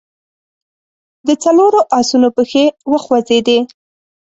د څلورو آسونو پښې وخوځېدې.